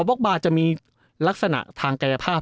บล็อกบาร์จะมีลักษณะทางกายภาพ